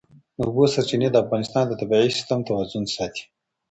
د اوبو سرچینې د افغانستان د طبعي سیسټم توازن ساتي.